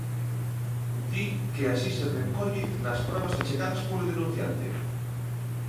Di que así se recolle nas probas achegadas polo denunciante.